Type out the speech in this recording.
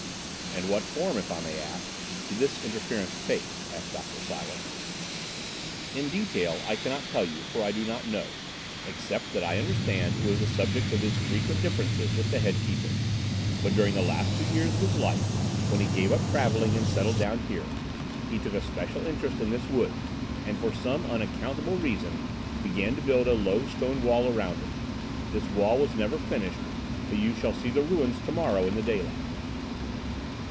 "And what form, if I may ask, did this interference take?" asked Dr. Silence. "In detail, I cannot tell you, for I do not know—except that I understand it was the subject of his frequent differences with the head keeper; but during the last two years of his life, when he gave up travelling and settled down here, he took a special interest in this wood, and for some unaccountable reason began to build a low stone wall around it. This wall was never finished, but you shall see the ruins tomorrow in the daylight."